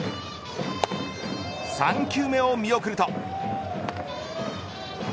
３球目を見送ると。